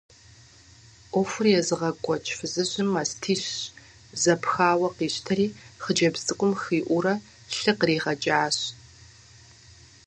Ӏуэхур езыгъэкӏуэкӏ фызыжьым мастищ зэпхауэ къищтэри хъыджэбз цӏыкӏум хиӏуурэ лъы къригъэкӏащ.